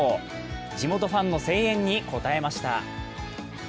地元ファンの声援に応えました。